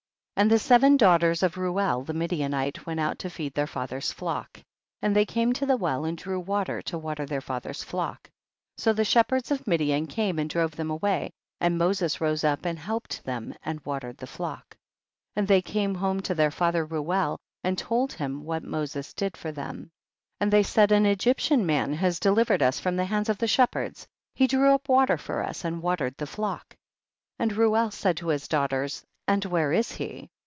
14. And the seven daughters of Reuel the Midianite went out to feed their father's flock. 15. And they came to the well and drew water to water their father's flock. 16. So the shepherds of Midian came and drove them away, and Moses rose up and helped them and watered the flock. 1 7. And they came home to their father Reuel, and told him what Mo ses did for them. 18. And they said, an Egyptian man has delivered us from the hands of the shepherds, he drew up water for us and watered the flock. 19. And Reuel said to his daugh ters, and where is he